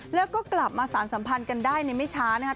แล้วก็กลับมาสารสัมพันธ์กันได้ในไม่ช้านะครับ